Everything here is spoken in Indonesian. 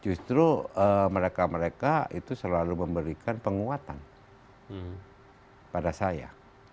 justru mereka mereka itu selalu memberikan penguatan pada saya